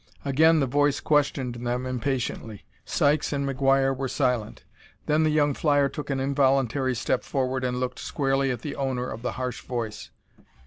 Again the voice questioned them impatiently. Sykes and McGuire were silent. Then the young flyer took an involuntary step forward and looked squarely at the owner of the harsh voice.